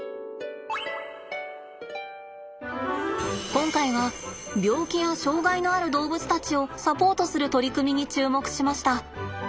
今回は病気や障がいのある動物たちをサポートする取り組みに注目しました。